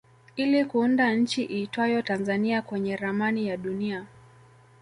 ili kuunda nchi iitwayo Tanzania kwenye ramani ya dunia